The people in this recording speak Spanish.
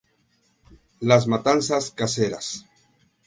Las matanzas caseras.